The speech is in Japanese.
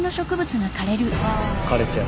枯れちゃう。